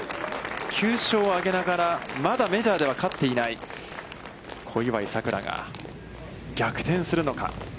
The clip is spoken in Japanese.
９勝を挙げながら、まだメジャーでは勝っていない小祝さくらが、逆転するのか。